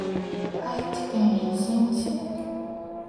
愛知県日進市